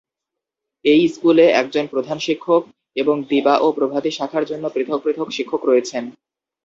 এই স্কুলে একজন প্রধান শিক্ষক এবং দিবা ও প্রভাতী শাখার জন্য পৃথক পৃথক শিক্ষক রয়েছেন।